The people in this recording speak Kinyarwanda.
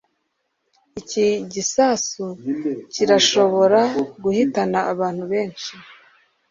Iki gisasu kirashobora guhitana abantu benshi.